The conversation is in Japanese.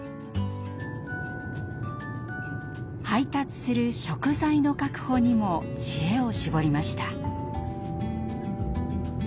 配達する食材の確保にも知恵を絞りました。